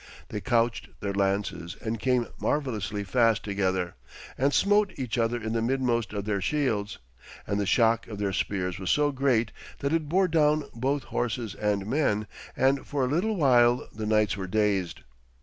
They couched their lances and came marvellously fast together, and smote each other in the midmost of their shields; and the shock of their spears was so great that it bore down both horses and men, and for a little while the knights were dazed.